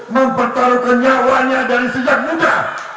mempertaruhkan nyawanya dari sejak muda